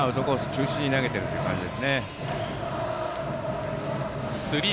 中心に投げているという感じですね。